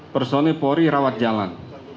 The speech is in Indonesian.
dua ratus dua puluh lima personil pori rawat jalan